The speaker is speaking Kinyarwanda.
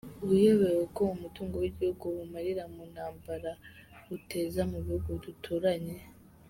Uyobewe ko umutungo w igihugu uwumarira muntambara uteza mubihugu duturanye?